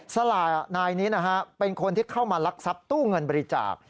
สลานายนี้เป็นคนที่เข้ามารักษัพตู้เงินบริจาค